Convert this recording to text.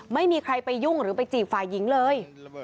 ไม่มีใครไปยุ่งหรือไปจีบฝ่ายหญิงเลย